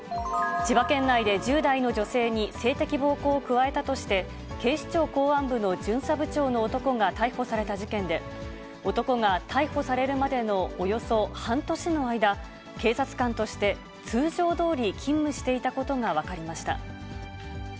千葉県内で１０代の女性に性的暴行を加えたとして、警視庁公安部の巡査部長の男が逮捕された事件で、男が逮捕されるまでのおよそ半年の間、警察官として通常どおり勤務していたことが分かりました。